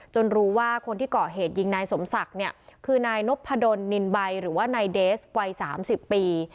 รู้ว่าคนที่เกาะเหตุยิงนายสมศักดิ์เนี่ยคือนายนพดลนินใบหรือว่านายเดสวัย๓๐ปี